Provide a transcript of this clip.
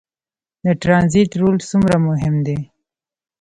د ټرانزیټ رول څومره مهم دی؟